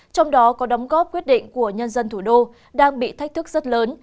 trong đó có đóng góp quyết định của nhân dân thủ đô đang bị thách thức rất lớn